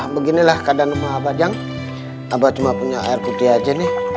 beginilah keadaan rumah abang yang tak buat cuma punya air putih aja nih